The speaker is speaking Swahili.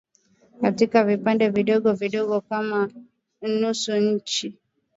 Kata vipande vidogo vidogo kama ½inchi